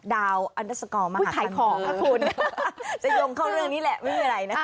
ดาวว์อันเดอร์สกอร์มหาธรรมิค่ะคุณจะยงเข้าเรื่องนี้แหละไม่มีอะไรนะคะ